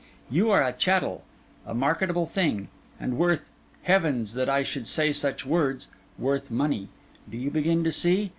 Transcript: You are a chattel; a marketable thing; and worth—heavens, that I should say such words!—worth money. Do you begin to see?